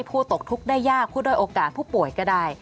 ผู้ตกทุกได้ยากผู้โดยโอกาสผู้ป่วยก็ได้